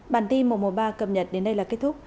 bản tin một trăm một mươi ba cập nhật đến đây là kết thúc